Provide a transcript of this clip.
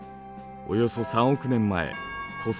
およそ３億年前古